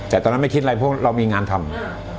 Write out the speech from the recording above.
แต่ตอนนั้นไม่คิดอะไรพวกเรามีงานทำ